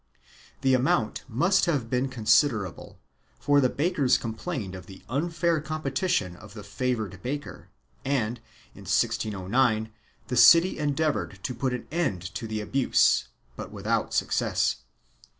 The amount must have been considerable, for the bakers complained of the unfair competition of the favored baker and, in 1609, the city endeavored to put an end to the abuse, but without success.